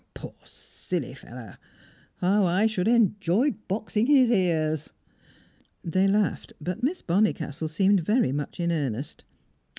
Poor silly fellow! How I should enjoy boxing his ears!" They laughed, but Miss Bonnicastle seemed very much in earnest.